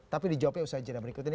tapi dijawabnya usaha ijana berikut ini